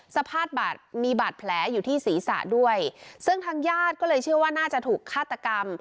สภาพบาดมีบาดแผลอยู่ที่ศีรษะด้วยซึ่งทางญาติก็เลยเชื่อว่าน่าจะถูกฆาตกรรม